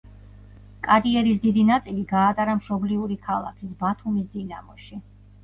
კარიერის დიდი ნაწილი გაატარა მშობლიური ქალაქის, ბათუმის „დინამოში“.